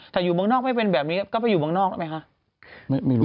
แต่อยู่เมืองนอกไม่เป็นแบบนี้ก็ไปอยู่เมืองนอกได้ไหมคะ